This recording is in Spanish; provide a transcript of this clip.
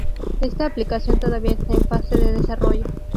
Esta aplicación todavía está en fase de desarrollo.